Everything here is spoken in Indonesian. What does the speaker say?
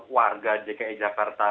warga jki jakarta